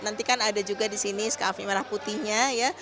nanti kan ada juga di sini scaffi merah putihnya ya